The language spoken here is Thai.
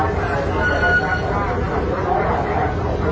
แล้วก็